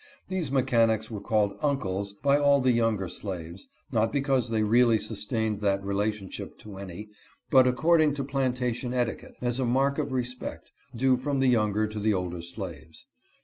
These mechanics were called " Uncles " by all the younger slaves, not because they really sustained that relationship to any, but accord ing to plantation etiquette, as a mark of respect, due from the younger to the older slaves.